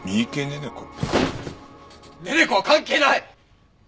寧々子は関係ない！